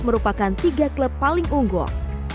merupakan tiga klub paling unggul